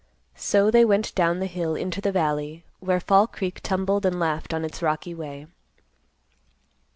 So they went down the hill into the valley, where Fall Creek tumbled and laughed on its rocky way.